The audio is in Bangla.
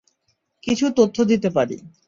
কিছু তথ্য দিতে পারি।